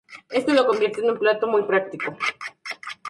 Esto lo convierte en un plato muy práctico.